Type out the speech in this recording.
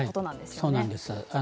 そうなんです。